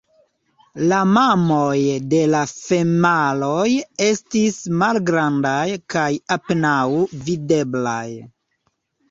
La mamoj de la femaloj estis malgrandaj kaj apenaŭ videblaj.